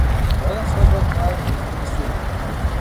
Во еден свој дел таа е навистина сурова.